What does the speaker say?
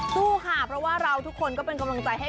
สู้ค่ะเพราะว่าเราทุกคนก็เป็นกำลังใจให้